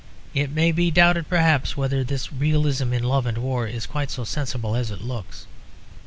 It may be doubted perhaps whether this realism in love and war is quite so sensible as it looks.